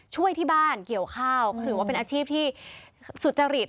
ช่วยที่บ้านเกี่ยวข้าวก็ถือว่าเป็นอาชีพที่สุจริต